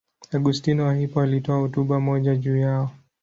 Augustino wa Hippo alitoa hotuba moja juu yao.